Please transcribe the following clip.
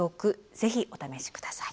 ぜひお試し下さい。